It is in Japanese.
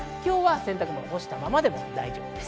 洗濯物を干したままでも大丈夫です。